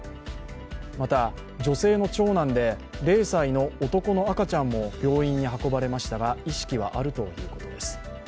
また、女性の長男で０歳の男の赤ちゃんも病院に運ばれましたが、意識はあるということです。